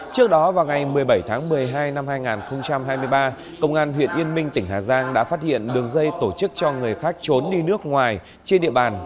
trước đó vào ngày một mươi bảy tháng một mươi hai năm hai nghìn hai mươi ba công an huyện yên minh tỉnh hà giang đã phát hiện đường dây tổ chức cho người khác trốn đi nước ngoài trên địa bàn